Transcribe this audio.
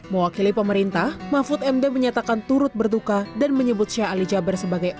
mewakili pemerintah mahfud md menyatakan turut berduka dan menyebut syahli jabir sebagai